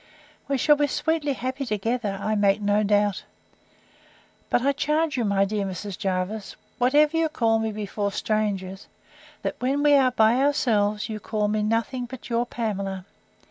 We shall be sweetly happy together, I make no doubt. But I charge you, my dear Mrs. Jervis, whatever you call me before strangers, that when we are by ourselves you call me nothing but your Pamela.